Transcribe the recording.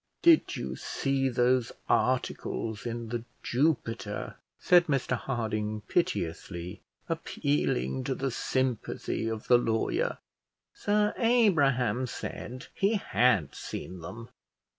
"Did you see those articles in The Jupiter?" said Mr Harding, piteously, appealing to the sympathy of the lawyer. Sir Abraham said he had seen them.